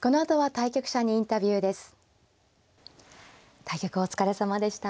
対局お疲れさまでした。